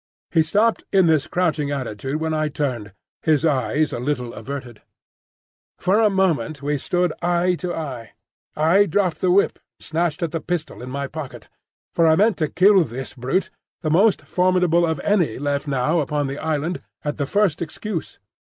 He stopped in this crouching attitude when I turned, his eyes a little averted. For a moment we stood eye to eye. I dropped the whip and snatched at the pistol in my pocket; for I meant to kill this brute, the most formidable of any left now upon the island, at the first excuse.